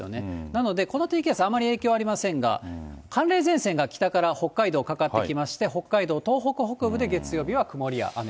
なのでこの低気圧あまり影響ありませんが、寒冷前線が北から北海道かかってきまして、北海道、東北北部で月曜日は曇りや雨。